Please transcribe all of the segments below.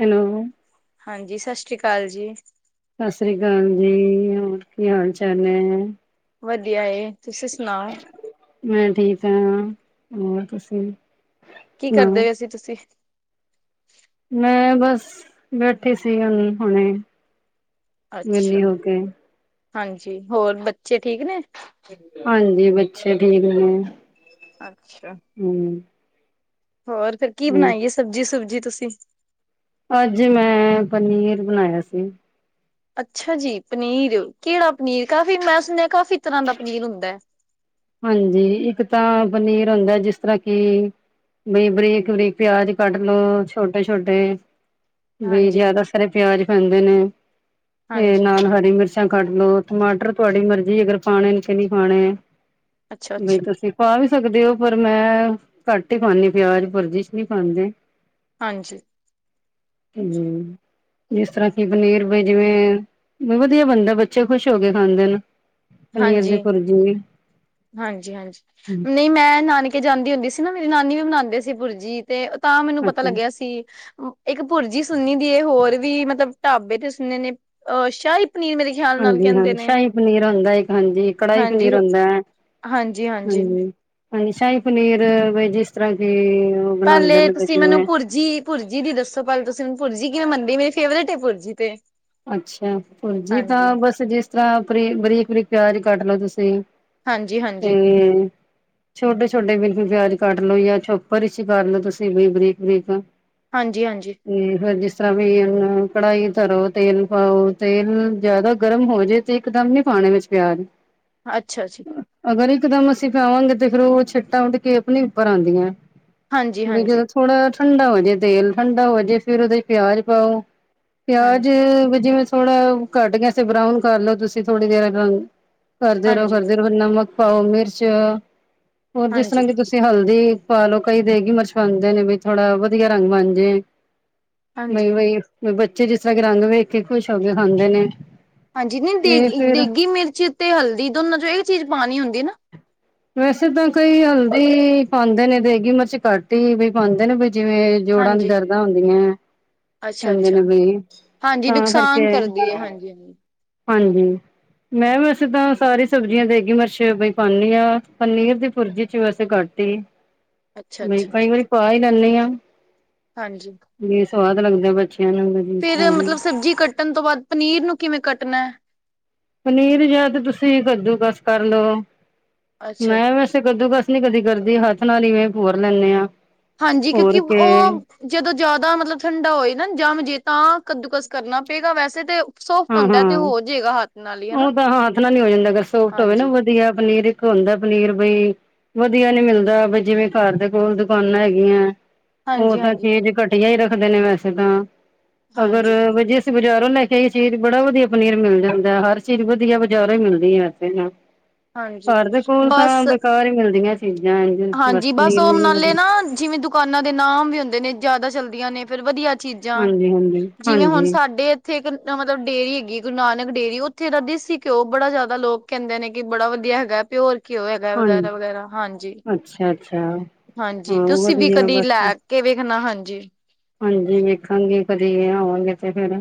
Hello, ਹਾਂਜੀ ਸਤਿ ਸ੍ਰੀ ਅਕਾਲ ਜੀ, ਸਤਿ ਸ੍ਰੀ ਅਕਾਲ ਜੀ, ਹੋਰ ਕੀ ਹਾਲ ਚਾਲ ਹੈ? ਵਧੀਆ, ਤੁਸੀਂ ਸੁਣਾਓ ਮੈਂ ਠੀਕ ਆ, ਹੋਰ ਤੁਸੀਂ? ਕੀ ਸੁਣਾਓ? ਕਰਦੇ ਹੋ ਅਸੀਂ ਤੁਸੀਂ, ਮੈਂ ਬਸ ਬੈਠੀ ਸੀ ਹੁਣ ਹੁਣੇ, ਅੱਛਾ ਵੇਲੀ ਹੋ ਕੇ, ਹਾਂਜੀ ਹੋਰ ਬੱਚੇ ਠੀਕ ਨੇ, ਹਾਂਜੀ ਬੱਚੇ ਠੀਕ ਨੇ, ਅੱਛਾ ਹੂੰ, ਹੋਰ ਫਿਰ ਕੀ ਹੂੰ। ਬਣਾਈਏ ਸਬਜ਼ੀ ਸੁਬਜੀ ਤੁਸੀਂ ਅੱਜ ਮੈਂ ਪਨੀਰ ਬਣਾਇਆ ਸੀ ਅੱਛਾ ਜੀ ਪਨੀਰ ਕਿਹੜਾ ਪਨੀਰ ਕਾਫ਼ੀ ਮੈਂ ਸੁਣਿਆ ਕਾਫ਼ੀ ਤਰ੍ਹਾਂ ਦਾ ਪਨੀਰ ਹੁੰਦਾ ਹੈ ਹਾਂਜੀ ਇੱਕ ਤਾਂ ਪਨੀਰ ਹੁੰਦਾ ਜਿਸ ਤਰ੍ਹਾਂ ਕਿ ਬਈ ਬਰੀਕ ਬਰੀਕ ਪਿਆਜ ਕੱਢ ਲੋੋ ਛੋਟੇ ਛੋਟੇ ਬ ਹਾਂਜੀ ਜਿਆਦਾ ਸਾਰੇ ਪਿਆਜ ਪੈਂਦੇ ਨੇ ਤੇ ਹਾਂਜੀ ਨਾਲ ਹਰੀ ਮਿਰਚ ਕੱਢ ਲੋ ਟਮਾਟਰ ਤੁਹਾਡੀ ਮਰਜ਼ੀ ਅਗਰ ਪਾਣੇ ਕਿ ਨਹੀਂ ਪਾਣੇ ਅੱਛਾ ਬਈ ਅੱਛਾ ਤੁਸੀਂ ਪਾ ਵੀ ਸਕਦੇ ਹੋ ਪਰ ਮੈਂ ਘੱਟ ਹੀ ਖਾਂਦੀ ਪਿਆਜ ਪਰਜਿਸ਼ ਨਹੀਂ ਖਾਂਦੇ ਹਾਂਜੀ ਹੂੰ ਜਿਸ ਤਰ੍ਹਾਂ ਕਿ ਪਨੀਰ ਜਿਵੇਂ ਵਧੀਆ ਬਣਦਾ ਬੱਚੇ ਖੁਸ਼ ਹੋ ਕੇ ਖਾਂਦੇ ਨੇ ਪਨੀਰ ਦੀ ਭੁਰਜੀ ਵੀ ਹਾਂਜੀ ਹਾਂਜੀ, ਨੀ ਮੈਂ ਨਾਨਕੇ ਜਾਂਦੀ ਹੁੰਦੀ ਸੀ ਨਾ ਮੇਰੀ ਨਾਨੀ ਵੀ ਬਨਾਂਦੇ ਸੀ ਪੁਰਜੀ ਤੇ ਤਾਂ ਮੈਨੂੰ ਪਤਾ ਅੱਛਾ ਲੱਗਿਆ ਸੀ। ਇੱਕ ਭੁਰਜੀ ਸੁਨੀ ਦੀ ਏ ਹੋਰ ਵੀ ਮਤਲਬ ਢਾਬੇ ਤੇ ਸੁਨੇ ਨੇ ਅਹ ਸ਼ਾਹੀ ਪਨੀਰ ਮੇਰੇ ਖਿਆਲ ਨਾਲ ਹਾਂਜੀ ਕਹਿੰਦੇ ਹਾਂਜੀ, ਨੇ ਸ਼ਾਹੀ ਪਨੀਰ ਹੁੰਦਾ ਇੱਕ ਹਾਂਜੀ, ਕੜਾਹੀ ਹਾਂਜੀ, ਪਨੀਰ ਹੁੰਦੇ, ਹਾਂਜੀ-ਹਾਂਜੀ। ਹਾਂਜੀ ਹਾਂਜੀ, ਸ਼ਾਹੀ ਪਨੀਰ ਵੀ ਜਿਸ ਤਰ੍ਹਾਂ ਕੇ ਪਹਿਲੇ ਤੁਸੀਂ ਮੈਨੂੰ, ਪੁਰਜੀ ਪੁਰਜੀ ਦੀ ਦੱਸੋ ਪਹਿਲੇ ਤੁਸੀਂ ਮੈਨੂੰ ਪੁਰਜੀ ਕਿਵੇਂ ਬਨਦੀ ਏ, ਮੇਰੀ ਫੇਵਰੇਟ ਹੈ ਪੁਰਜੀ ਤੇ ਅੱਛਾ, ਪੁਰਜੀ ਹਾਂਜੀ, ਤਾਂ ਬਸ ਜਿਸ ਤਰ੍ਹਾਂ ਰੀ ਬਰੀਕ ਬਰੀਕ ਪਿਆਜ ਕੱਟ ਲਓ ਤੁਸੀਂ ਤੇ, ਹਾਂਜੀ-ਹਾਂਜੀ, ਛੋਟੇ ਛੋਟੇ ਬਿ ਪਿਆਜ ਕੱਟ ਲਓ ਯਾ ਛੋਪਰ ਇਚ ਕਰ ਲੋ ਤੁਸੀਂ ਵੀ ਬਰੀਕ ਬਰੀਕ ਹਾਂਜੀ ਹਾਂਜੀ ਤੇ [unintelligible] ਵੀ ੳਨੂ ਕੜਾਈ ਤਰੋ ਤੇਲ ਪਾਓ ਤੇਲ ਜਿਆਦਾ ਗਰਮ ਹੋ ਜੇ ਤੇ ਇਕ ਦਮ ਨੀ ਪਾਣੇ ਵਿੱਚ ਪਿਆਜ ਅੱਛਾ ਜੀ। ਅਗਰ ਇਕਦਮ ਅਸੀਂ ਪਾਵਾਂਗੇ ਤੇ ਫੇਰ ਉਹ ਛਿੱਟਾਂ ਉੱਡ ਕੇ ਅਪਨੇ ਉੱਪਰ ਆਂਦੀਏ ਵੀ ਹਾਂਜੀ-ਹਾਂਜੀ, ਜਦੋਂ ਥੋੜ੍ਹਾ ਠੰਡਾ ਹੋਜੇ ਤੇਲ, ਠੰਡਾ ਹੋਜੇ ਫੇਰ ਉਹਦੇ ਚ ਪਿਆਜ ਪਾਓ ਹਾਂਜੀ ਵੀ ਜਿਵੇਂ ਥੋੜਾ ਘੱਟ ਗਿਆ ਸੀ ਬਰਾਉਨ ਕਰਲੋ ਤੁਸੀਂ ਥੋੜੀ ਦੇਰ ਕਰਦੇ ਰਹੋ ਹਾਂਜੀ, ਹਾਂਜੀ, ਕਰਦੇ ਰਹੋ ਨਮਕ ਪਾਓ ਮਿਰਚ ਹੋਰ ਜਿਸ ਤਰ੍ਹਾਂ ਹਾਂਜੀ। ਕਿ ਤੁਸੀਂ ਹਲਦੀ ਪਾ ਲੋ, ਕਈ ਦੇਗੀ ਮਰਚ ਪਾੰਦੇ ਨੇ ਬਈ ਥੋੜਾ ਵਧੀਆ ਰੰਗ ਬਣ ਜੇ, ਹਾਂਜੀ ਬਈ ਬਈ ਵੀ ਬੱਚੇ ਜਿਸ ਤਰ੍ਹਾਂ ਕੇ ਰੰਗ ਵੇਖ ਕੇ ਖੁਸ਼ ਹੋ ਕੇ ਖਾਂਦੇ ਨੇ ਹਾਂਜੀ ਨੀ ਤੇ ਦੇਗੀ ਫਿਰ ਦੇਗੀ ਮਿਰਚ ਤੇ ਹਲਦੀ ਦੋਨਾਂ ਚੋਂ ਇੱਕ ਚੀਜ਼ ਪਾਣੀ ਹੁੰਦੀ ਏ ਨਾ ਵੈਸੇ ਤਾਂ ਕਈ ਹਲਦੀ ਪਾਂਦੇ ਨੇ, ਦੇਗੀ ਮਿਰਚ ਘੱਟ ਹੀ ਵੀ ਪਾਂਦੇ ਨੇ ਜਿਵੇਂ ਜੋੜਾਂ ਦੀ ਹਾਂਜੀ ਦਰਦਾਂ ਹੁੰਦੀਏ ਅੱਛਾ ਹਾਂਦੇ ਅੱਛਾ ਨਬੀ ਹਾਂਜੀ ਤਾਂ ਕਰਕੇ, ਨੁਕਸਾਨ ਕਰਦੀ ਹੈ ਹਾਂਜੀ ਹਾਂਜੀ ਹਾਂਜੀ ਮੈਂ ਵੈਸੇ ਤਾਂ ਸਾਰੀ ਸਬਜ਼ੀਆਂ ਦੇਗੀ ਮਰਚ ਬਈ ਪਾਨੀ ਆ, ਪਨੀਰ ਦੀ ਪੁਰਜੀ ਚ ਵੈਸੇ ਘੱਟ ਤੇ ਅੱਛਾ ਅੱਛਾ ਕਈ ਵਾਰੀ ਪਾ ਹੀ ਲੈਂਨੇ ਆ ਹਾਂਜੀ ਸਵਾਦ ਲਗਦੇ ਬੱਚ ਫਿਰ ਮਤਲਬ ਸਬਜ਼ੀ ਕੱਟਣ ਤੋਂ ਬਾਅਦ ਪਨੀਰ ਨੂੰ ਕਿਵੇਂ ਕੱਟਨਾ ਏ ਪਨੀਰ ਯਾ ਤੇ ਤੁਸੀਂ ਕੱਦੂਕਸ ਕਰ ਲੋ, ਅੱਛਾ ਮੈਂ ਵੈਸੇ ਕੱਦੂ ਕਸ ਮੈਂ [unintelligible] ਨੀ ਕਦੀ ਕਰਦੀ ਹੱਥ ਨਾਲ ਈਵੇਂ ਭੋਰ ਲੈਂਨੇ ਆ ਹਾਂਜੀ, ਕਿਉਂਕਿ ਉਹ ਜਦੋਂ ਜਿਆਦਾ ਮਤਲਬ ਠੰਡਾ ਹੋਏ ਨਾ ਜਮ ਜੇ ਤਾਂ ਕੱਦੂਕਸ ਕਰਨਾ ਪਏਗਾ ਵੈਸੇ ਤੇ ਸੋਫਟ ਹਾਂ ਹੁੰਦਾ ਏ ਤੇ ਹਾਂ ਉਹ ਹੋ ਜੇਗਾ ਹੱਥ ਨਾਲ ਈ, ਹੇਨਾ ਉਹ [unintelligible] ਨੀ ਹੋ ਜਾਂਦਾ ਅਗਰ ਸੋਫਟ ਹੋਵੇ ਨਾ ਵਧੀਆ ਪਨੀਰ ਇਕ ਹੋੰਦਾ ਏ ਪਨੀਰ ਬਈ ਵਧੀਆ ਨੀ ਮਿਲਦਾ। ਬਈ ਜਿਵੇਂ ਘਰ ਦੇ ਕੋਲ ਦੁਕਾਨਾਂ ਹੈਗੀਆਂ। ਉਹ ਹਾਂਜੀ ਤਾਂ ਹਾਂਜੀ ਚੀਜ਼ ਘਟੀਆ ਹੀ ਰੱਖਦੇ ਨੇ ਵੈਸੇ ਤਾਂ, ਅਗਰ ਹਾਂਜੀ ਜਿਸ ਬਜ਼ਾਰੋਂ ਲੈ ਕੇ ਆਈ ਸੀ। ਬੜਾ ਵਧੀਆ ਪਨੀਰ ਮਿਲ ਜਾਂਦਾ। ਹਰ ਚੀਜ਼ ਵਧੀਆ ਬਜ਼ਾਰੋਂ ਈ ਮਿਲਦੀ ਹੈ। ਇੱਥੇ ਹਾਂਜੀ ਘਰ ਦੇ ਕੋਲ ਤਾਂ ਬਸ ਬੇਕਾਰ ਹੀ ਮਿਲਦੀਆਂ। ਚੀਜ਼ਾਂ ਇੰਝ ਹਾਂਜੀ! ਬਸ ਪਨੀਰ ਉਹ ਵੀ ਨੀ ਨਾਲੇ ਵਧੀਆ ਨਾ ਜਿਵੇਂ ਦੁਕਾਨਾਂ ਦੇ ਨਾਮ ਵੀ ਹੁੰਦੇ ਨੇ। ਜਿਆਦਾ ਚਲਦੀਆਂ ਨੇ ਫੇਰ ਵਧੀਆ ਚੀਜ਼ਾਂ, ਹਾਂਜੀ ਹਾਂਜੀ ਜਿਵੇਂ ਹੁਨ ਹਾਂਜੀ ਸਾਡੇ ਇੱਥੇ ਇੱਕ ਮਤਲਬ ਡੇਰੀ ਹੈਗੀ ਗੁਰੂ ਨਾਨਕ ਡੇਰੀ। ਉੱਥੇ ਦਾ ਦੇਸੀ ਘਿਓ ਬੜਾ ਜ਼ਿਆਦਾ ਲੋਕ ਕਹਿੰਦੇ ਨੇ ਕਿ ਬੜਾ ਵਧੀਆ ਵਧੀਆ ਹੈਗਾ, ਪਿਓਰ ਘਿਓ ਹੈਗਾ ਹਾਂਜੀ ਵਗੈਰਾ ਵਗੈਰਾ। ਹਾਂਜੀ ਅੱਛਾ ਅੱਛਾ ਹਾਂਜੀ! ਹਾਂ ਤੁਸੀਂ ਵੀ ਵਧੀਆ ਕਦੀ ਬਸ ਲੈ ਕੇ ਵੇਖਣਾ ਹਾਂਜੀ। ਹਾਂਜੀ! ਵੇਖਾਂਗੇ ਕਦੀ ਆਵਾਂਗੇ ਤੇ ਫੇਰ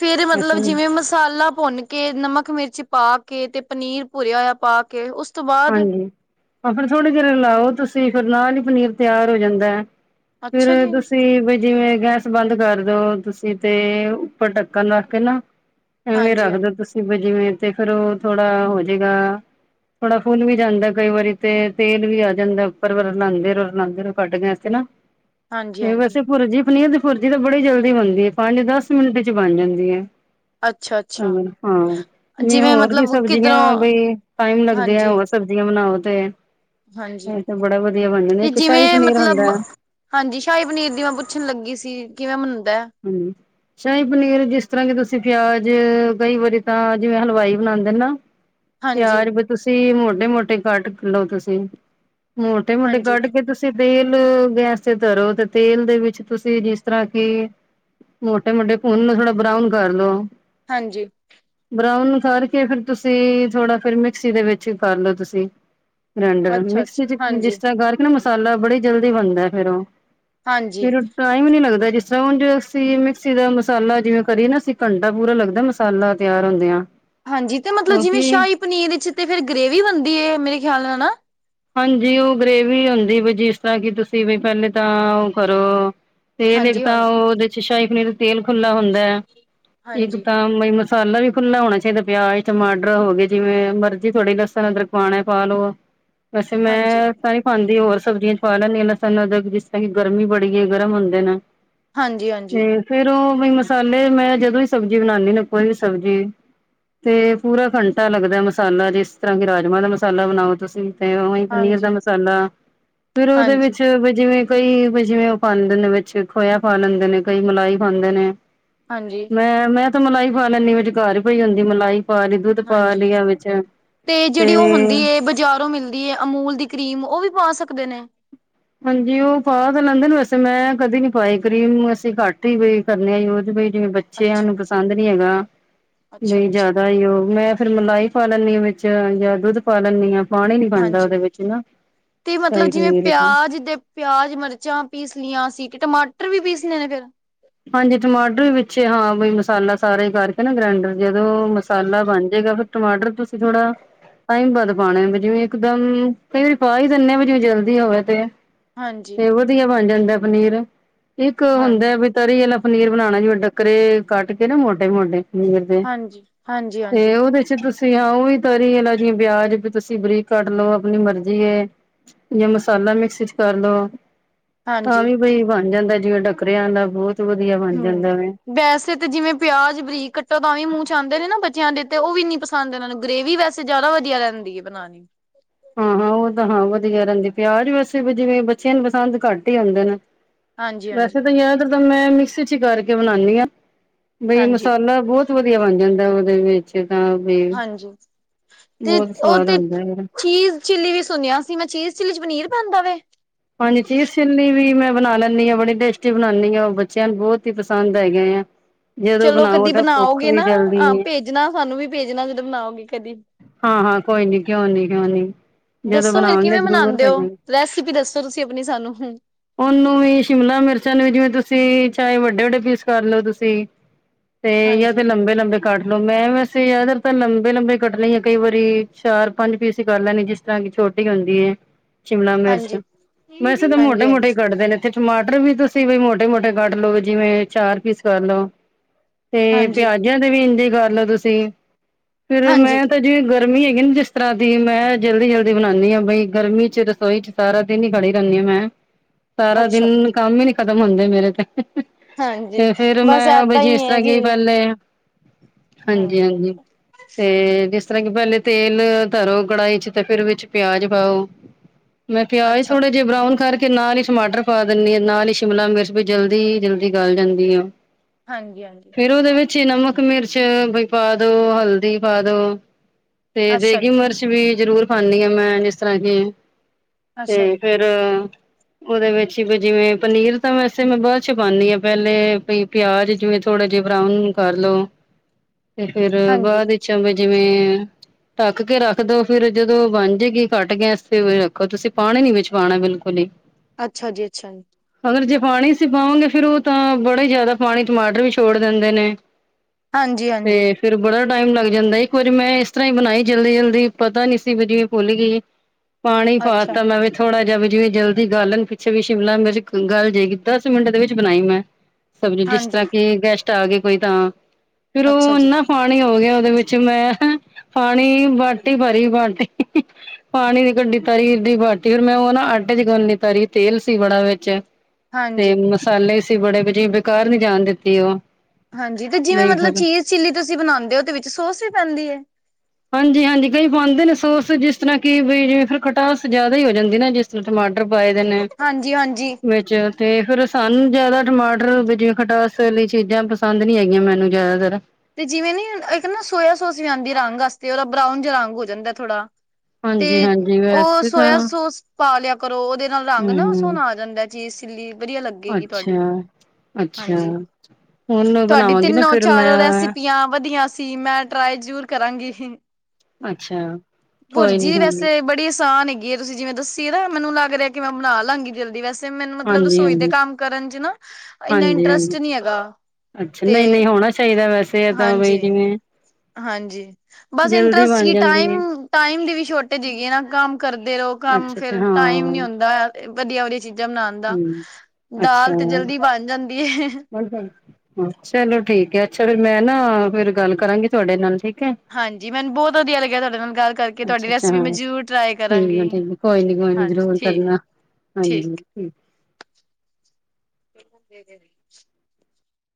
ਫੇਰ ਮਤਲਬ ਵੈਸੇ ਜਿਵੇਂ ਮਸਾਲਾ ਭੁੰਨ ਕੇ ਨਮਕ ਮਿਰਚ ਪਾ ਕੇ ਤੇ ਪਨੀਰ ਭੁਰਿਆ ਹੋਇਆ ਪਾ ਕੇ, ਉਸ ਤੋਂ ਬਾਅਦ ਹਾਂਜੀ ਹਾਂ। ਫੇਰ ਥੋੜੇ ਚਿਰ ਹਿਲਾਓ ਤੁਸੀਂ ਫਿਰ ਨਾਲ ਈ ਪਨੀਰ ਤਿਆਰ ਹੋ ਜਾਂਦੇ। ਫੇਰ ਅੱਛਾ ਜੀ ਤੁਸੀਂ ਜਿਵੇਂ ਗੈਸ ਬੰਦ ਕਰ ਦੋ ਤੁਸੀਂ ਤੇ ਉੱਪਰ ਢੱਕਣ ਰੱਖ ਕੇ ਨਾ ਐਵੇਂ ਹਾਂਜੀ ਹਾਂਜੀ ਰੱਖਦੇ ਤੁਸੀਂ ਜਿਵੇਂ ਤੇ ਫੇਰ ਉਹ ਥੋੜ੍ਹਾ ਹੋ ਜਾਏਗਾ। ਥੋੜਾ ਫੁੱਲ ਵੀ ਜਾਂਦਾ ਕਈ ਵਾਰੀ ਤੇ ਤੇਲ ਵੀ ਆ ਜਾਂਦਾ ਉੱਪਰ ਵ ਰਲਾਉਂਦੇ ਰਹੋ ਰਲਾਉਂਦੇ ਰਹੋ ਕੱਢ ਗ ਨਾ ਹਾਂਜੀ ਇਹ ਹਾਂਜੀ ਵੈਸੇ ਪੁਰ ਜੀਪ ਨ ਭੁਰਜੀ ਤਾਂ ਬੜੀ ਜਲਦੀ ਬਣਦੀ ਏ ਪੰਜ ਦਸ ਮਿੰਟ 'ਚ ਬਣ ਜਾਂਦੀ ਏ। ਅੱਛਾ ਅੱਛਾ ਹਾਂ ਜਿਵੇਂ ਹੋਰ ਕੀ ਮਤਲਬ ਸਬਜ਼ੀਆਂ ਕਿੱਧਰੋਂ ਬਈ ਟਾਈਮ ਲਗਦਾ। ਹਾਂਜੀ ਵਧੀਆ ਸਬਜ਼ੀਆਂ ਬਣਾਓ ਤੇ ਹਾਂਜੀ ਇਹ ਤੇ ਬੜਾ ਵਧੀਆ ਬਣ ਜਾਂਦਾ ਤੇ ਇੱਕ ਸ਼ਾਹੀ ਜਿਵੇਂ ਪਨੀਰ ਹੁੰਦਾ ਮਤਲਬ ਹੈ ਹਾਂਜੀ ਸ਼ਾਹੀ ਪਨੀਰ ਦੀ ਮੈਂ ਪੁੱਛਣ ਲੱਗੀ ਸੀ ਕਿਵੇਂ ਬਨਦਾ। ਹਾਂ ਸ਼ਾਹੀ ਪਨੀਰ ਜਿਸ ਤਰ੍ਹਾਂ ਕਿ ਤੁਸੀਂ ਪਿਆਜ ਕਈ ਵਾਰੀ ਤਾਂ ਜਿਵੇਂ ਹਲਵਾਈ ਬਣਾਉਂਦੇ ਨੇ ਹਨਾ ਹਾਂਜੀ ਪਿਆਜ ਵੀ ਤੁਸੀਂ ਮੋਟੇ ਮੋਟੇ ਕੱਟ ਲਓ ਤੁਸੀਂ ਮੋਟੇ ਮੋਟੇ ਹਾਂਜੀ ਕੱਢ ਕੇ ਤੁਸੀਂ ਦੇਖ ਲ ਗੈਸ ਤੇ ਧਰੋ ਤੇ ਤੇਲ ਦੇ ਵਿੱਚ ਤੁਸੀਂ ਜਿਸ ਤਰ੍ਹਾਂ ਕਿ ਮੋਟੇ ਮੋਟੇ ਭੁੰਨ ਲੋ ਥੋੜਾ ਬਰਾਊਨ ਕਰ ਲੋ। ਹਾਂਜੀ ਬਰਾਊਨ ਕਰਕੇ ਫਿਰ ਤੁਸੀਂ ਥੋੜਾ ਫੇਰ ਮਿਕਸੀ ਦੇ ਵਿੱਚ ਕਰਲੋ ਤੁਸੀਂ ਗਰੈਡਰ ਅੱਛਾ ਮਿਕਸੀ ਅੱਛਾ 'ਚ ਹਾਂਜੀ ਜਿਸ ਤਰ੍ਹਾਂ ਕਰਕੇ ਨਾ ਮਸਾਲਾ ਬੜੀ ਜਲਦੀ ਬਣਦਾ ਫੇਰ ਉਹ ਹਾਂਜੀ ਫੇਰ ਟਾਈਮ ਨੀ ਲੱਗਦਾ ਜਿਸ ਤਰ੍ਹਾਂ ਉਂਜ ਅਸੀਂ ਮਿਕਸੀ ਦਾ ਮਸਾਲਾ ਜਿਵੇਂ ਕਰੀਏ ਨਾ ਅਸੀਂ ਘੰਟਾ ਪੂਰਾ ਲੱਗਦਾ ਮਸਾਲਾ ਤਿਆਰ ਹੁੰਦਿਆਂ। ਹਾਂਜੀ ਤੇ ਮਤਲਬ ਜਿਵੇਂ ਕਿਉਂਕਿ ਸ਼ਾਹੀ ਪਨੀਰ ਵਿੱਚ ਤੇ ਫਿਰ ਗਰੇਵੀ ਬਣਦੀ ਹੈ ਮੇਰੇ ਖਿਆਲ ਨਾਲ ਨਾ ਹਾਂਜੀ ਉਹ ਗਰੇਵੀ ਹੁੰਦੀ ਬ ਜਿਸ ਤਰ੍ਹਾਂ ਕਿ ਤੁਸੀਂ ਵੀ ਪਹਿਲੇ ਤਾਂ ਉਹ ਕਰੋ ਤੇਲ ਇੱਕ ਹਾਂਜੀ ਹ ਤਾਂ ਉਹਦੇ 'ਚ ਸ਼ਾਹੀ ਪਨੀਰ ਤੇ ਤੇਲ ਖੁੱਲਾ ਹੁੰਦਾ ਇੱਕ ਹਾਂਜੀ ਤਾਂ ਮਤ ਮਸਾਲਾ ਵੀ ਖੁੱਲ੍ਹਲਾ ਹੋਣਾ ਚਾਹੀਦਾ। ਪਿਆਜ, ਟਮਾਟਰ ਹੋ ਗਏ ਜਿਵੇਂ ਮਰਜੀ ਥੋੜ੍ਹੀ ਲਸਣ ਅਦਰਕ ਪਉਣਾ ਪਾ ਲੋ। ਵੈਸੇ ਹਾਂਜੀ ਮੈਂ ਤਾਂ ਨੀ ਖਾਂਂਦੀ ਹੋਰ ਸਬਜ਼ੀਆਂ ਪਾ ਲੈਂਦੀ ਲੱਛ [unintelligible] ਜਿਸ ਤਰ੍ਹਾਂ ਕਿ ਗਰਮੀ ਬੜੀ ਹੈ। ਗਰਮ ਹੁੰਦੇ ਨੇ ਹਾਂਜੀ ਹਾਂਜੀ ਤੇ ਫੇਰ ਉਹ ਮਸਾਲੇ ਮੈਂ ਜਦੋਂ ਵੀ ਸਬਜ਼ੀ ਬਣਾਉਦੀ ਨਾ ਕੋਈ ਵੀ ਸਬਜ਼ੀ ਤੇ ਪੂਰਾ ਘੰਟਾ ਲੱਗਦਾ ਮਸਾਲਾ ਜਿਸ ਤਰ੍ਹਾਂ ਕਿ ਰਾਜਮਾਂ ਦਾ ਮਸਾਲਾ ਬਣਾਓ ਤੁਸੀਂ ਤੇ ਉਹੀ ਪਨੀਰ ਦਾ ਹਾਂਜੀ ਮਸਾਲਾ ਫਿਰ ਉਹਦੇ ਹਾਂਜੀ ਵਿੱਚ ਵੀ ਜਿਵੇਂ ਕਈ ਵੀ ਜਿਵੇਂ ਉਹ ਪਾਂਦੇ ਨੇ ਵਿੱਚ ਖੋਇਆ ਪਾ ਲੈਂਦੇ ਨੇ ਕਈ ਮਲਾਈ ਪਾਂਦੇ ਨੇ। ਹਾਂਜੀ ਮੈਂ -ਮੈਂ ਤੇ ਮਲਾਈ ਪਾ ਲੈਂਦੀ ਵਿਚ ਘਾਰ ਹੀ ਪਈ ਹੁੰਦੀ ਮਲਾਈ ਪਾਣੀ ਦੁੱਧ ਪਾ ਹਾਂਜੀ ਲਿਆ ਵਿੱਚ ਤੇ ਇ ਅਮੂਲ ਦੀ ਕਰੀਮ ਉਹ ਵੀ ਪਾ ਸਕਦੇ ਨੇ। ਹਾਂਜੀ ਉਹ ਪਾ ਤਾਂ ਲੈਂਦੇ ਨੇ ਵੈਸੇ ਮੈਂ ਕਦੇ ਨੀ ਪਾਈ ਕਰੀਮ ਅਸੀਂ ਘੱਟ ਹੀ ਬਈ ਕਰਨੇ ਆ ਯੂਜ ਬਈ ਜਿਵੇਂ ਬੱਚਿਆ ਅੱਛਾ ਨੂੰ ਪਸੰਦ ਨੀ ਹੈਗਾ। ਅੱਛਾ ਨਹੀਂ ਅੱਛਾ ਜਿਆਦਾ ਈ ਉਹ ਮੈਂ ਫੇਰ ਮਲਾਈ ਪਾ ਲੈਂਦੀ, ਆਂ ਵਿੱਚ ਜਾਂ ਦੁੱਧ ਪਾ ਲੈਂਦੀ ਆਂ। ਪਾਣੀ ਨੀ ਬਣਦਾ ਹਾਂਜੀ ਉਹਦੇ ਵਿੱਚ ਨਾ ਤੇ ਸ਼ਾਹੀ ਮਤਲਬ ਜਿਵੇਂ ਪਨੀਰ 'ਚ ਪਿਆਜ ਦੇ ਪਿਆਜ ਮਿਰਚਾਂ ਪੀਸ ਲਈਆਂ ਸੀ ਟਮਾਟਰ ਵੀ ਪੀਸਨੇ ਨੇ ਫੇਰ ਹਾਂਜੀ ਟਮਾਟਰ ਵੀ ਵਿੱਚੇ ਹਾਂ ਬ ਮਸਾਲਾ ਸਾਰਾ ਹੀ ਕਰਕੇ ਨਾ ਗ੍ਰੈਂਡਰ ਜਦੋਂ ਹਾਂਜੀ। ਮਸਾਲਾ ਬਣ ਜਾਏਗਾ ਫਿਰ ਟਮਾਟਰ ਤੁਸੀਂ ਥੋੜਾ ਟਾਈਮ ਵੱਧ ਪਾਉਣੇ ਜਿਵੇਂ ਇਕਦਮ ਕਈ ਵਾਰੀ ਪਾ ਹੀ ਦਿੰਦੇ ਹ ਵੀ ਜਿਵੇਂ ਜਲਦੀ ਹੋਵੇ ਤੇ ਹਾਂਜੀ, ਤੇ ਵਧੀਆ ਬਣ ਜਾਂਦਾ ਪਨੀਰ ਇੱਕ ਹਾਂਜੀ, ਹੁੰਦਾ ਬਈ ਦਹੀ ਆਲਾ ਪਨੀਰ ਬਣਾਉਣਾ ਜਿਵੇ ਡੱਕਰੇ ਕੱਟ ਕੇ ਨਾ ਮੋਟੇ -ਮੋਟੇ ਹਾਂਜੀ, ਹਾਂਜੀ, ਤੇ ਹਾਂਜੀ, ਉਹਦੇ 'ਚ ਤੁਸੀਂ ਤੁਸੀਂ ਹਾਂ ਉਹ ਵੀ ਤਰੀ ਲਾ ਜ ਵਿਆਜ ਵੀ ਤੁਸੀਂ ਬਰੀਕ ਕੱਢ ਲੋਓ ਆਪਣੀ ਮਰਜੀ ਏ। ਜਾਂ ਮਸਾਲਾ ਮਿਕਸੀ 'ਚ ਕਰਲੋ। ਹਾਂ ਹਾਂਜੀ ਵੀ ਬਈ ਬਣ ਜਾਂਦਾ ਜਿਵੇਂ ਡੱਕਰਿਆਂ ਦਾ ਬਹੁਤ ਵਧੀਆ ਬਣ ਹੂੰ ਜਾਂਦਾ ਵੇ। ਵੈਸੇ ਤੇ ਜਿਵੇਂ ਪਿਆਜ ਬਰੀਕ ਕੱਟੋ ਤਾਂ ਵੀ ਮੂੰਹ 'ਚ ਆਂਦੇ ਨੇ ਨਾ ਬੱ ਬੱਚਿਆਂ ਦੇ ਤੇ ਉਹ ਵੀ ਇੰਨੀ ਪਸੰਦ ਇਹ ਨੂੰ ਗ੍ਰੇਵੀ ਵੈਸੇ ਜ਼ਿਆਦਾ ਵਧੀਆ ਰਹਿੰਦੀ ਹੈ ਬਣਾਣੀ। ਹਾਂ -ਹਾਂ ਉਹ ਤਾਂ ਹਾਂ ਵਧੀਆ ਰਹਿੰਦੀ ਪਿਆਜ ਵੈਸੇ ਜਿਵੇਂ ਬੱਚਿਆਂ ਨੂੰ ਪਸੰਦ ਘੱਟ ਹੀ ਆਉਂਦੇ ਨੇ। ਹਾਂਜੀ, ਵੈਸੇ ਹਾਂਜੀ, ਤਾਂ ਯਾਦ ਤਾਂ ਮੈਂ ਮਿਕਸੀ 'ਚ ਹੀ ਕਰਕੇ ਬਣਾਣੀ ਆਂ। ਬਈ ਹਾਂਜੀ, ਮਸਾਲਾ ਬਹੁਤ ਵਧੀਆ ਬਣ ਜਾਂਦਾ ਹੈ, ਉਹਦੇ ਵਿੱਚ ਤਾਂ ਵੀ ਹਾਂਜੀ, ਤੇ ਬਹੁਤ ਉਹ ਸਵਾਦ ਤੇ ਆਂਦਾ ਹੈਗਾ। ਚੀਜ਼ ਚਿੱਲੀ ਵੀ ਸੁਣਿਆ ਸੀ ਮੈਂ। ਚੀਜ਼ ਚਿੱਲੀ ਚ ਪਨੀਰ ਪੈਂਦਾ ਵੇ? ਪੰਜ ਚੀਜ਼ ਚਿੱਲੀ ਵੀ ਮੈਂ ਬਣਾ ਲੈਂਦੀ ਹਾਂ, ਬੜੀ ਟੇਸਟੀ ਬਣਾਉਦੀ ਆ। ਉਹ ਬੱਚਿਆਂ ਨੂੰ ਬਹੁਤ ਹੀ ਪਸੰਦ ਹੈਗੇ ਹੈ। ਚਲੋ ਕਦੀ ਬਣਾਓਗੇ ਨਾ, ਹਾਂ ਹੈ ਭੇਜਣਾ ਸਾਨੂੰ ਵੀ ਭੇਜਣਾ ਜਦੋਂ ਬਣਾਓਗੇ। ਕਦੀ। ਹਾਂ -ਹਾਂ, ਕੋਈ ਨੀ-ਕਿਉਂ ਨੀ। ਕਿਉਂ ਨੀ ਜਦੋਂ ਬਣਾਵਾਂਗੇ ਤਾਂ ਜ਼ਰੂਰ ਪੈਜਾਂਗੇ। ਤੁਸੀ ਦੱਸੋ, ਤੁਸੀਂ ਅਪ ਉਹਨੂੰ ਵੀ, ਸ਼ਿਮਲਾ ਮਿਰਚਾਂ ਨੂੰ ਵੀ ਜਿਵੇਂ ਤੁਸੀਂ ਚਾਹੇ ਵੱਡੇ ਵੱਡੇ ਪੀਸ ਕਰ ਲਓ ਤੁਸੀਂ, ਤੇ ਜਾਂ ਹਾਂਜੀ ਤੇ ਲੰਬੇ ਲੰਬੇ ਕੱਟ ਨ ਮੈਂ ਵੈਸੇ ਯਿਆਦਾਤਰ ਲੰਬੇ ਲੰਬੇ ਕੱਟਣੀ ਹੈ ਕਈ ਵਾਰੀ, ਚਾਰ ਪੰਜ ਪੀਸ ਹੀ ਕਰ ਲੈਣੀ, ਜਿਸ ਤਰ੍ਹਾਂ ਕਿ ਛੋਟੀ ਹੁੰਦੀ ਹੈ ਸ਼ਿਮਲਾ ਮਿਰਚ। ਹਾਂਜੀ ਵੈਸੇ ਹਾਂਜੀ ਤਾਂ ਮੋਟੇ ਹਾਂਜੀ ਮੋਟੇ ਹੀ ਕੱਟਦੇ ਨੇ ਇੱਥੇ ਟਮਾਟਰ ਟਰ ਵੀ ਤੁਸੀਂ, ਬੀ ਮੋਟੇ ਮੋਟੇ ਕੱਢ ਲਓ ਵੀ ਜਿਵੇਂ ਚਾਰ ਪੀਸ ਕਰ ਲੋ ਤੇ ਹਾਂਜੀ ਪਿਆਜਾਂ ਤੇ ਵੀ ਇੰਝੇ ਕਰ ਲੋ ਤੁਸੀਂ। ਫੇਰ ਹਾਂਜੀ ਮੈਂ ਤਾਂ ਜਿ ਗ ਗਰਮੀ ਹੈਗੀ ਨੀ ਜਿਸ ਤਰ੍ਹਾਂ ਦੀ ਮੈਂ ਜਲਦੀ ਜਲਦੀ ਬਣਾਉਂਦੀ ਹਾਂ, ਬਈ ਗਰਮੀ ਚ, ਰਸੋਈ ਚ ਸਾਰਾ ਦਿਨ ਹੀ ਖੜੀ ਰਹਿੰਦੀ ਹਾਂ। ਮੈਂ, ਸਾਰਾ ਅੱਛਾ ਦਿਨ ਕੰਮ ਹੀ ਨੀ ਖਤਮ ਹੁੰਦੇ ਮੇਰੇ ਤੇ। ਹੇ ਹੇ ਹਾਂਜੀ ਤੇ ਫੇਰ ਬਸ ਮੈਂ, ਬ ਏਦਾਂ ਹੀ ਜਿਸ ਹੈ ਤਰ੍ਹਾਂ ਜੀ ਕੀ ਪਹਿਲੇ ਹਾਂਜੀ ਹਾਂਜੀ। ਤੇ ਜਿਸ ਜਿਸ ਤਰ੍ਹਾਂ ਕਿ ਪਹਿਲੇ ਤੇਲ ਧਰੋ ਕੜਾਹੀ ਚ ਤੇ ਫੇਿਰ ਵਿਚ ਪਿਆਜ ਪਾਓ ਮੈਂ ਪਿਆਜ਼ ਅੱਛਾ ਥੋੜੇ ਜਿਹੇ ਬਰਾਊਨ ਕਰਕੇ ਤੇ ਨਾਲ ਹੀ ਟਮਾਟਰ ਪਾ ਦਿੰਦੀ ਆ, ਨਾਲ ਹੀ ਸ਼ਿਮਲਾ ਮਿਰਚ ਵੀ ਜਲਦੀ ਜਲਦੀ ਗਲ ਜਾਂਦੀ ਆ। ਹਾਂਜੀ ਹਾਂਜੀ। ਅਛੀ ਨਮਕ ਮਿਰਚ ਬਈ ਪਾ ਦੋ, ਹਲਦੀ ਪਾ ਦੋ। ਤੇ ਅੱਛਾ ਦੇਗੀ ਜੀ ਮਿਰਚ ਵੀ ਜ਼ਰੂਰ ਪਾਂਨੀ ਹਾਂ ਮੈਂ, ਜਿਸ ਤਰ੍ਹਾਂ ਕਿ ਅੱਛਾ ਤੇ ਜੀ ਫੇਰ ਉਹਦੇ ਵਿੱਚ ਵੀ ਜਿਵੇਂ ਪਨੀਰ ਤਾਂ ਵੈਸੇ ਮੈਂ ਬਾਅਦ ਚ ਪਾਉਂਨੀ ਹਾਂ। ਪਹਿਲੇ ਵਈ ਪਿਆਜ ਜਿਵੇਂ ਥੋ ਥੋੜੇ ਜਿਹੇ ਬਰਾਊਨ ਕਰ ਲੋ, ਤੇ ਫੇਰ ਹਾਂਜੀ ਬਾਅਦ ਵਿੱਚ ਵੀ ਜਿਵੇਂ ਢੱਕ ਕੇ ਰੱਖ ਦੋ, ਫਿਰ ਜਦੋਂ ਬੰਨ ਜੇਗੀ, ਕੱਟ ਗੈਸ ਤੇ ਵੀ ਰੱਖੋ। ਤੁਸੀਂ ਪਾਣੀ ਨੀ ਵਿੱਚ ਪਾਉਣਾ ਬਿਲਕੁਲ ਹੀ। ਅੱਛਾ ਜੀ-ਅੱਛਾ ਜੀ। ਅਗਰ ਜੇ ਪਾਣੀ ਅਸੀਂ ਪਾਵਾਂਗੇ, ਫੇਰ ਉਹ ਤਾਂ ਬੜੇ ਹੀ ਜ਼ਿਆਦਾ ਪਾਣੀ ਟਮਾਟਰ ਵੀ ਛੋੜ ਦਿੰਦੇ ਨੇ। ਹਾਂਜੀ ਤੇ ਹਾਂਜੀ ਫਿਰ ਬੜਾ ਟਾਈਮ ਲੱਗਦ ਜਾਂਦਾ। ਇੱਕ ਵਾਰੀ ਮੈਂ ਇਸ ਤਰ੍ਹਾਂ ਹੀ ਬਣਾਈ ਜਲਦੀ ਜਲਦੀ। ਪਤਾ ਨੀ ਸੀ ਵੀ ਜੀ ਘੁਲ ਹੀ ਗਈ। ਪਾਣੀ ਅੱਛਾ ਪਾਤਾ ਮੈਂ ਵੀ ਥੋੜਾ ਜਿਹਾ। ਵੀ ਜਿਵੇਂ ਜਲਦੀ ਗਾੱਲਣ ਪਿੱਛੇ ਵੀ ਸ਼ਿਮਲਾ ਮਿਰਚ ਗੱਲ ਜੇਗੀ। ਦਸ ਮਿੰਟ ਦੇ ਵਿੱਚ ਬਣਾਈ ਮੈਂ। ਸਬ ਜਿਸ ਹਾਂਜੀ ਤਰ੍ਹਾਂ ਕਿ ਗੈਸਟ ਆ ਗਏ, ਕੋਈ ਤਾਂ ਫੇਰ ਅੱਛਾ ਉਹ ਜੀ ਇੰਨਾ ਖਾਣ ਹੀ ਹੋ ਗਿਆ ਚ ਮੈਂ ਹਹ ਪਾਣੀ ਬਾਟੀ ਭਰੀ ਬਾਟੀ। ਹੀ-ਹੀ ਪਾਣੀ ਦੀ ਕੱਢੀ ਤਰੀ ਦੀ ਬਾਟੀ, ਫਿਰ ਮੈਂ ਉਹ ਨਾ ਆਟੇ ਚ ਹੀ ਗੁਨ ਲਈ ਤਰੀ। ਤੇਲ ਸੀ ਬੜਾ ਵਿੱਚ। ਤੇ ਹਾਂਜੀ ਮਸਾਲੇ ਸੀ ਬੜੇ ਵੀ ਜੀ। ਬੇਕਾਰ ਨੀ ਜਾਣ ਦਿੱਤੀ ਉਹ। ਹਾਂਜੀ। ਤੇ ਜਿਵੇਂ ਬਈ ਮਤਲਬ ਫਿਰ ਚੀਜ਼ ਚਿੱਲੀ ਤੁਸੀਂ ਬਣਾਦੇ ਹੋ, ਤੇ ਵਿੱਚ ਸੋਸ ਵੀ ਪੈਂਦੀ ਹੈ? ਹਾਂਜੀ-ਹਾਂਜੀ। ਕਈ ਪਾਉਂਦੇ ਨੇ ਸੋਸ, ਜਿਸ ਤਰ੍ਹਾਂ ਕਿ ਬਈ ਜਿਵੇਂ ਫਿਰ ਖਟਾਸ ਜ਼ਿਆਦਾ ਹੀ ਹੋ ਜਾਂਦੀ ਨਾ ਜਿਸ ਤਰ੍ਹਾਂ ਟਮਾਟਰ ਟਮਾਟਰ ਪਾਏ ਦੇ ਨੇ ਹਾਂਜੀ ਹਾਂਜੀ ਵਿੱਚ, ਤੇ ਫੇਰ ਸਾਨੂੰ ਜਿਆਦਾ ਟਮਾਟਰ ਟਰ, ਬੀ ਜਿਵੇਂ ਖਟਾਸ ਲਈ ਚੀਜ਼ਾਂ ਪਸੰਦ ਨੀ ਹੈਗੀਆਂ ਮੈਨੂੰ ਜ਼ਿਆਦਾਤਰ ਤੇ ਜਿਵੇਂ ਨੀ ਇੱਕ ਨਾ ਸੋਇਆ ਸੋਸ ਵੀ ਆਉਂਦੀ ਹੈ ਰੰਗਾਸਤੇ। ਉਹਦਾ ਬਰਾਊਨ ਜਯਾ ਰੰਗ ਹੋ ਜਾਂਦਾ ਹੈ ਥੋੜਾ ਤੇ ਹਾਂਜੀ-ਹਾਂਜੀ ਉਹ ਵੈਸੇ ਤਾਂ ਸੋਆ ਸੋਸ ਪਾ ਲਿਆ ਕਰੋ। ਉਹਦੇ ਨਾਲ ਰੰਗ ਨਾ ਹੂੰ ਸੋਹਣਾ ਆ ਜਾਂਦਾ ਹੈ ਚੀਜ਼ ਚਿੱਲੀ ਵਧੀਆ ਲੱਗੇਗੀ ਤੁਹਾਡੀ। ਅੱਛਾ-ਅੱਛਾ ਹਾਂਜੀ, ਹੁਣ ਤੁਹਾਡੀ ਬਣਾਵਾਂਗੀ ਨਾ ਤਿੰਨੋਂ ਫਿਰ ਮੈਂ ਚਾਰੋ ਰੈਸ ਰੈਸਿਪੀਆਂ ਵਧਆ ਸੀ। ਮੈਂ ਟਰਾਈ ਜ਼ਰੂਰ ਕਰਾਂਗੀ। ਅੱਛਾ ਕੋਈ ਨੀ ਪੁਰਜੀ ਕੋਈ ਨੀ ਵੈਸੇ ਬੜੀ ਆਸਾਨ ਹੈਗ ਗੀ ਤੁਸੀਂ ਜਿਵੇਂ ਦੱਸੀ ਤਾਂ ਮੈਨੂੰ ਲੱਗ ਹੇਹਾ, ਕਿ ਮੈਂ ਬਣਾ ਲਾਂਗੀ ਜਲਦੀ ਵੈਸ ਤੇ, ਮੈਨੂੰ ਮਤਲਬ ਰਸੋਈ ਦੇ ਹਾਂਜੀ-ਹਾਂਜੀ, ਕੰਮ ਕਰਨ'ਚ ਨਾ, ਇੰਨਾ ਇੰਟਰਸਟ ਹਾਂਜੀ-ਹਾਂਜੀ ਨੀ ਹੈਗਾ। ਅੱਛਾ, ਨਹੀਂ-ਨਹੀਂ ਹੋਣਾ ਚਾਹੀਦਾ ਵੈਸੇ ਤਾਂ ਬਈ ਜਿਵੇਂ ਹਾਂਜੀ-ਹਾਂਜੀ, ਬਸ ਜਲਦੀ ਇੰਟਰਸਟ ਬਣ ਕੀ ਜਾਂਦੀ ਟਾਇਮ, ਹੈ ਟਾ ਟਾਇਮ ਦੀ ਵੀ ਛੋਟੇਜ ਗੇ ਨਾ ਕੰਮ ਕਰਦੇ ਰਹੋ, ਕੰਮ ਅੱਛਾ ਫੇਰ, ਹਾਂ ਟਾਈਮ ਨੀ ਹੁੰਂਦਾ ਵਧੀਆ- ਵਧੀਆ ਚੀਜ਼ਾਂ ਬਣਾਨ ਦਾ ਹੂੰ ਦਾਲ ਤੇ, ਅੱਛਾ ਜਲਦੀ ਬਣ ਜਾਂ ਚਲੋ ਠੀਕ ਹੈ, ਅੱਛਾ ਫੇਰ ''ਮੈਂ ਨਾ ਫੇਰ ਗੱਲ ਕਰਾਂਗੀ ਤੁਹਾਡੇ ਨਾਲ ਠੀਕ ਹੈ ਹਾਂਜੀ। ਮੈਨੂੰ ਬਹੁਤ ਵਧੀਆ ਲੱਗਿਆ ਤੁਹਾਡੇ ਨਾਲ ਗੱਲ ਕਰਕੇ ਤੁਹਾਡੀ ਅੱਛਾ ਅੱਛਾ ਰੈਸਪੀ ''ਮੈਂ ਜ਼ਰੂਰ ਟ੍ਰਾਈ ਕਰਾਂਗੀ। ਗਰੋਰ ਹਾਂਜੀ, ਕਰਨਾ, ਹਾਂਜੀ। [unintelligible]